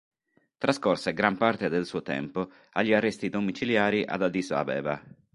Trascorse gran parte del suo tempo agli arresti domiciliari ad Addis Abeba.